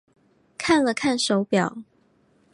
看了看手表